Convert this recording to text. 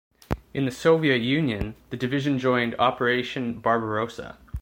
In the Soviet Union, the division joined Operation Barbarossa.